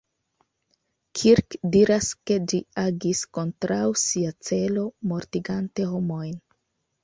Kirk diras, ke ĝi agis kontraŭ sia celo mortigante homojn.